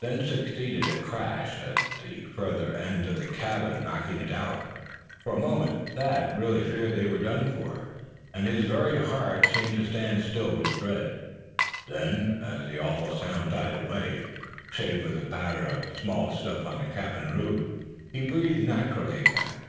Then succeeded a crash, as the further end was knocked out. For a moment Thad really feared they were done for, and his very heart seemed to stand still with dread. Then, as the awful sounds died away, save for the patter of small stuff on the cabin roof, he breathed naturally again.